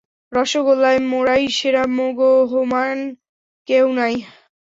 রসোগোল্লায় মোরাই সেরা মোগো হোমান কেউ নাই।